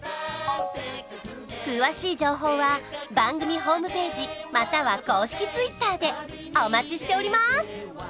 詳しい情報は番組ホームページまたは公式Ｔｗｉｔｔｅｒでお待ちしております